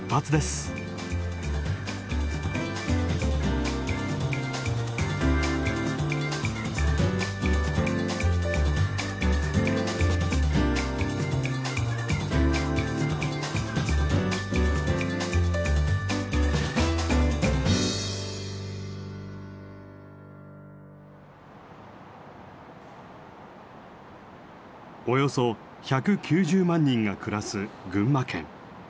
およそ１９０万人が暮らす群馬県。